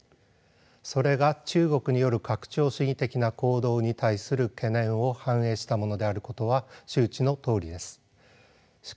それが中国による拡張主義的な行動に対する懸念を反映したものであることは周知のとおりです。